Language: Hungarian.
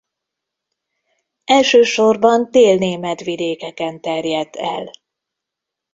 Elsősorban dél-német vidékeken terjedt el.